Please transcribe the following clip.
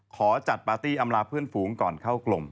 ขอจัดปาร์ตี้อำลาเพื่อนฝูงก่อนเข้ากลม